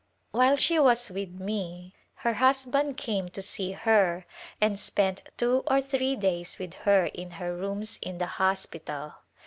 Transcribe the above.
While she was with me her husband came to see her and spent two or three days with her in her rooms in the hospital.